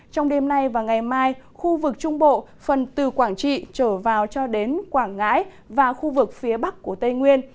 trong đêm nay và ngày mai khu vực trung bộ phần từ quảng trị trở vào cho đến quảng ngãi và khu vực phía bắc của tây nguyên